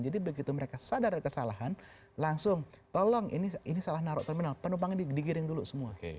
begitu mereka sadar ada kesalahan langsung tolong ini salah naruh terminal penumpangnya digiring dulu semua